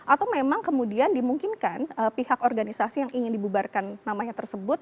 atau memang kemudian dimungkinkan pihak organisasi yang ingin dibubarkan namanya tersebut dapat ada pembuktian